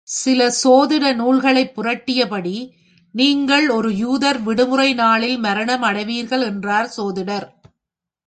சில சோதிட நூல்களைப் புரட்டியபடி, நீங்கள் ஒரு யூதர் விடுமுறை நாளில் மரணம் அடைவீர்கள் என்றார் சோதிடர்.